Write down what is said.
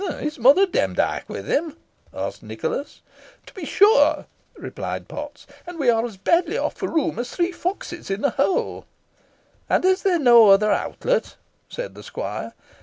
"Is Mother Demdike with him?" asked Nicholas. "To be sure," replied Potts; "and we are as badly off for room as three foxes in a hole." "And there is no other outlet said the squire?"